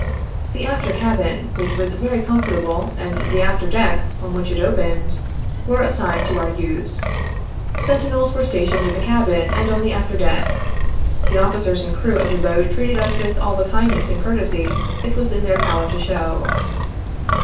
The after cabin, which was very comfortable, and the after deck, on which it opened, were assigned to our use. Sentinels were stationed in the cabin and on the after deck. The officers and crew of the boat treated us with all the kindness and courtesy it was in their power to show.